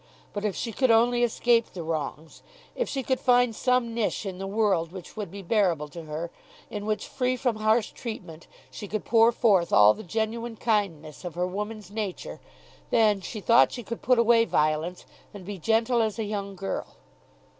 But if she could only escape the wrongs, if she could find some niche in the world which would be bearable to her, in which, free from harsh treatment, she could pour forth all the genuine kindness of her woman's nature, then, she thought she could put away violence and be gentle as a young girl.